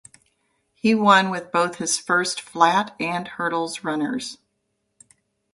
He won with both his first flat and hurdles runners.